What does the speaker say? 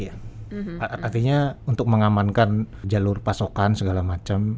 artinya untuk mengamankan jalur pasokan segala macam